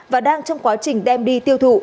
và đang trong quá trình đem đi tiêu thụ